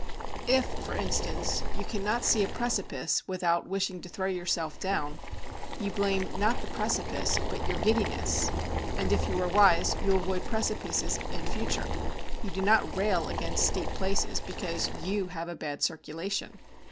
If, for instance, you cannot see a precipice without wishing to throw yourself down, you blame not the precipice, but your giddiness; and if you are wise you avoid precipices in future. You do not rail against steep places because you have a bad circulation.